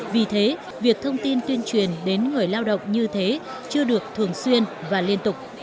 vì thế việc thông tin tuyên truyền đến người lao động như thế chưa được thường xuyên và liên tục